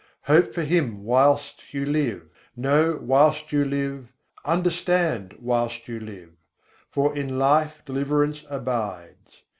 hope for Him whilst you live, know whilst you live, understand whilst you live: for in life deliverance abides.